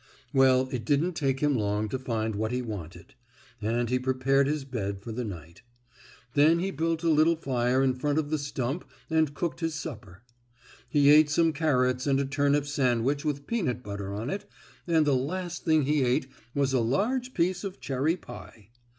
Well, it didn't take him long to find what he wanted, and he prepared his bed for the night. Then he built a little fire in front of the stump and cooked his supper. He ate some carrots and a turnip sandwich with peanut butter on it, and the last thing he ate was a large piece of cherry pie.